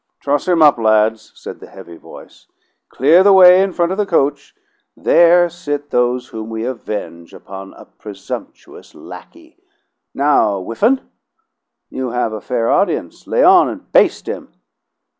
"Truss him up, lads," said the heavy voice. "Clear the way in front of the coach. There sit those whom we avenge upon a presumptuous lackey. Now, Whiffen, you have a fair audience, lay on and baste him."